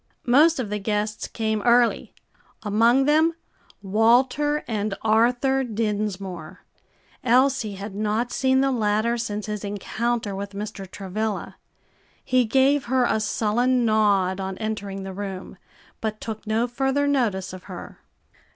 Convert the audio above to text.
Most of the guests came early; among them, Walter and Arthur Dinsmore; Elsie had not seen the latter since his encounter with Mr. Travilla. He gave her a sullen nod on entering the room, but took no further notice of her.